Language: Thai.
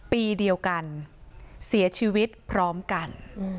ปีเดียวกันเสียชีวิตพร้อมกัน